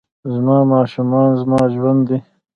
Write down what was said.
زما ماشومان زما ژوند دي